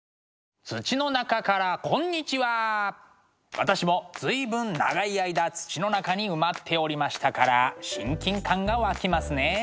私も随分長い間土の中に埋まっておりましたから親近感が湧きますね。